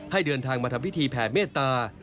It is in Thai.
เดินทางมาทำพิธีแผ่เมตตา